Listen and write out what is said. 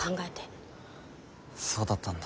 そうだったんだ。